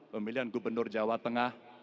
pemilihan gubernur jawa tengah